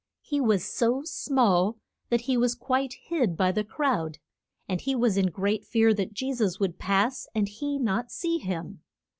He was so small that he was quite hid by the crowd, and he was in great fear that Je sus would pass and he not see him.